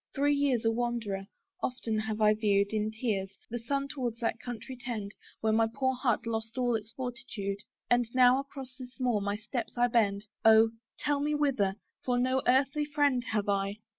Three years a wanderer, often have I view'd, In tears, the sun towards that country tend Where my poor heart lost all its fortitude: And now across this moor my steps I bend Oh! tell me whither for no earthly friend Have I.